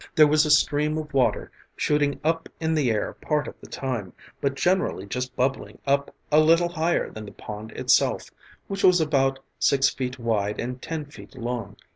There was a stream of water shooting up in the air part of the time, but generally just bubbling up a little higher than the pond itself, which was about six feet wide and ten feet long.